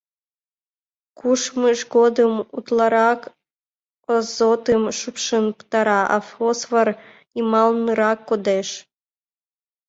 Кушмыж годым утларак азотым шупшын пытара, а фосфор йымалнырак кодеш.